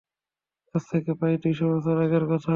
আজ থেকে প্রায় দুই শ বছর আগের কথা।